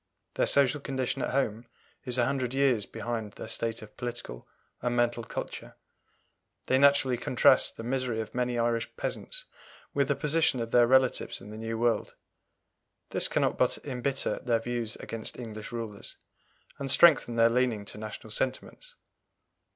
Their social condition at home is a hundred years behind their state of political and mental culture. They naturally contrast the misery of many Irish peasants with the position of their relatives in the New World. This cannot but embitter their views against English rulers, and strengthen their leaning to national sentiments.